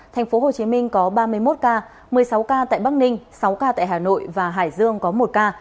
tp hcm có ba mươi một ca một mươi sáu ca tại bắc ninh sáu ca tại hà nội và hải dương có một ca